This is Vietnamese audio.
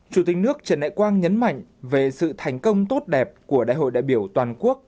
chủ tịch nước trần đại quang nhấn mạnh về sự thành công tốt đẹp của đại hội đại biểu toàn quốc